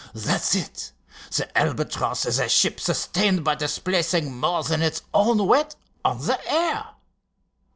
"That's it. The Albatross is a ship sustained by displacing more than its own weight on the air.